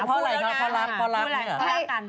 พอไหร่กันพอรับกันเหรอพอรับกัน